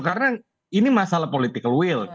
karena ini masalah political will